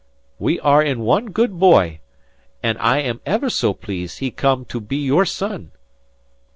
We are in one good boy, and I am ever so pleased he come to be your son."